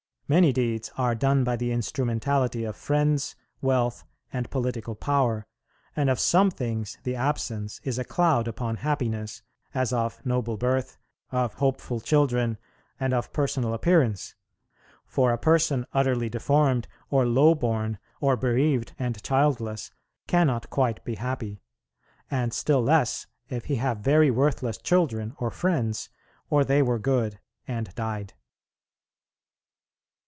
Many deeds are done by the instrumentality of friends, wealth and political power; and of some things the absence is a cloud upon happiness, as of noble birth, of hopeful children, and of personal appearance: for a person utterly deformed, or low born, or bereaved and childless, cannot quite be happy: and still less if he have very worthless children or friends, or they were good and died."